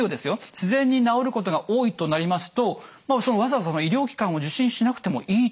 自然に治ることが多いとなりますとわざわざ医療機関を受診しなくてもいいってことなんでしょうか？